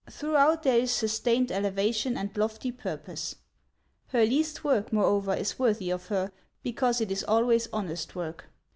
Throughout there is sustained elevation and lofty purpose. Her least work, moreover, is worthy of her, because it is always honest work.